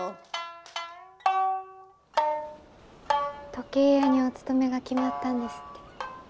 時計屋にお勤めが決まったんですって。